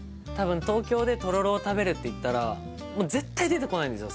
東京でとろろを食べるっていったら絶対出てこないんです